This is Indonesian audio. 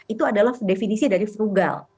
itu adalah definisi dari frugal